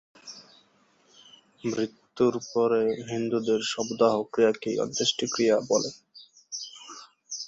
মৃত্যুর পরে হিন্দুদের শবদাহ ক্রিয়াকেই অন্ত্যেষ্টিক্রিয়া বলে।